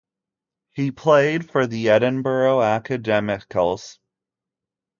He played for the Edinburgh Academicals.